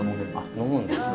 飲むんですね。